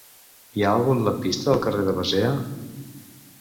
Hi ha algun lampista al carrer de Basea?